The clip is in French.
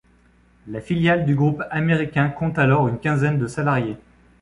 La filiale du groupe américain compte alors une quinzaine de salariés.